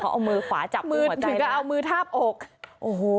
เอามือขวาจับมือหมายถึงก็เอามือทาบอกโอ้โห